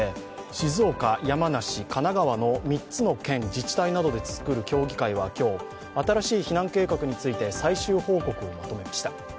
静岡、山梨、神奈川の３つの県、自治体などでつくる協議会は今日、新しい避難計画について最終報告をまとめました。